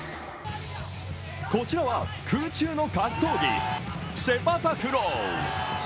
こちらは空中の格闘技、セパタクロー。